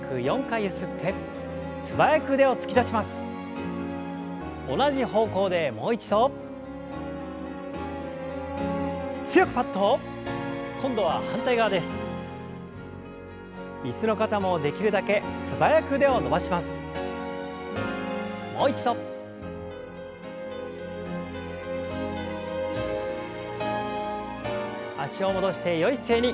脚を戻してよい姿勢に。